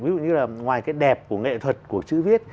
ví dụ như là ngoài cái đẹp của nghệ thuật của chữ viết